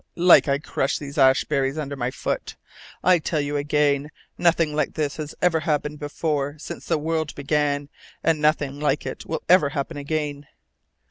like I crush these ash berries under my foot! I tell you again, nothing like this has ever happened before since the world began, and nothing like it will ever happen again!"